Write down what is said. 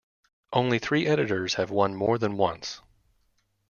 Only three editors have won more than once.